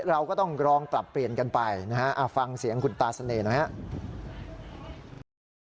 เราก็ต้องลองปรับเปลี่ยนกันไปนะฮะฟังเสียงคุณตาเสน่ห์หน่อยครับ